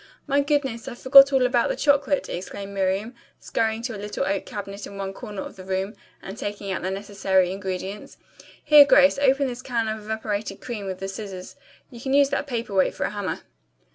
"My goodness, I forgot all about the chocolate!" exclaimed Miriam, scurrying to a little oak cabinet in one corner of the room and taking out the necessary ingredients. "Here, Grace, open this can of evaporated cream with the scissors. You can use that paperweight for a hammer."